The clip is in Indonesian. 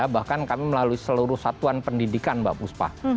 bahkan kami melalui seluruh satuan pendidikan mbak buspa